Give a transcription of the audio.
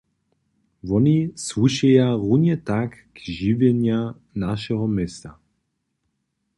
Woni słušeja runje tak k žiwjenja našeho města.